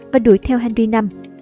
và đuổi theo henry v